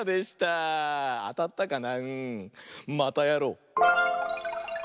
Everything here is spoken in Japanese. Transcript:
またやろう！